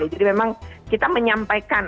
jadi memang kita menyampaikan